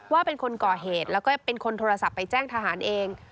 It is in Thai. ว่าเป็นคนก่อเหตุแล้วก็เป็นคนโทรศัพท์ไปแจ้งทหารเอง